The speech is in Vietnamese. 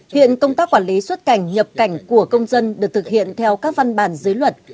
hiện công tác quản lý xuất cảnh nhập cảnh của công dân được thực hiện theo các văn bản dưới luật